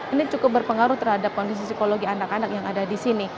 ini cukup berpengaruh terhadap kondisi psikologi anak anak yang ada di sini